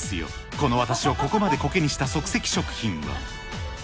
この私をここまでコケにした即席食品は。